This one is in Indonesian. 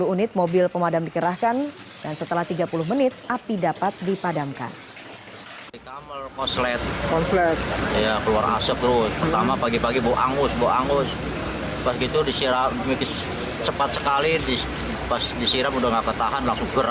dua puluh unit mobil pemadam dikerahkan dan setelah tiga puluh menit api dapat dipadamkan